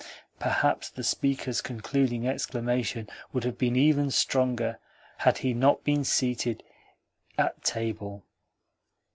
(Perhaps the speaker's concluding exclamation would have been even stronger had he not been seated at table.)